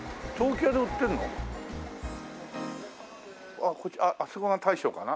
あっあそこが大将かな？